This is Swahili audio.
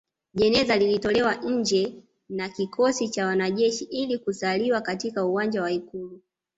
Jeneza lilitolewa nje na kikosi cha wanajeshi ili kusaliwa katika uwanja wa Ikulu